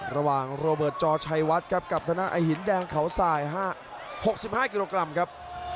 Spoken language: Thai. ระหว่างโรเบิร์ตจชัยวัดกับทดานไอหินแดงเขาสาย๖๕กิโลกรัมครับ